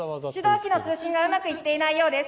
通信がうまくいっていないようです。